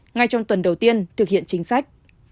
ngay trong tuần đầu tiên thực hiện chính xác